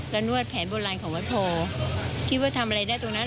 และนวดแผนโบราณของวัดโพคิดว่าทำอะไรได้ตรงนั้น